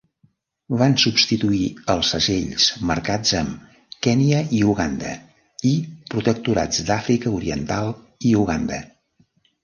Van substituir els segells marcats amb "Kenya i Uganda" i "Protectorats d'Àfrica Oriental i Uganda".